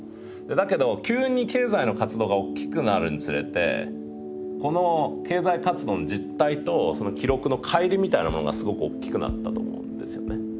だけど急に経済の活動が大きくなるにつれてこの経済活動の実体と記録の乖離みたいなものがすごく大きくなったと思うんですよね。